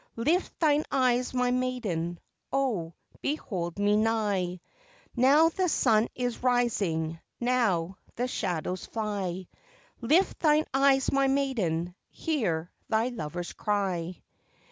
Lift thine eyes, my maiden, oh, behold me nigh; Now the sun is rising, now the shadows fly. Lift thine eyes, my maiden, hear thy lover's cry."